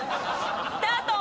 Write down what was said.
スタート！